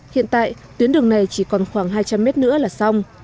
hiện tại tuyến đường này chỉ còn khoảng hai trăm linh mét nữa là xong